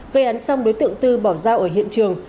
gây án xong đối tượng tư bỏ giao ở hiện trường